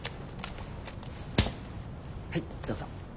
はいどうぞ。